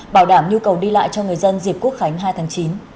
bảo đảm nhu cầu đi lại cho người dân dịp quốc khánh hai tháng chín